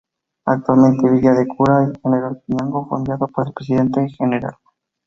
Actualmente Villa de Cura, el general Piñango fue enviado por el presidente Gral.